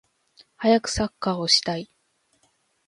はやくサッカーをしたい